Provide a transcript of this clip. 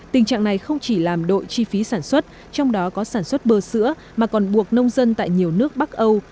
tình trạng này không chỉ làm đội chi phí sản xuất trong đó có sản xuất bơ sữa mà còn buộc nông dân tại nhiều nước bắc âu